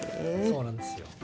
そうなんですよ。